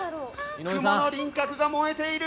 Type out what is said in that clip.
雲の輪郭が燃えている！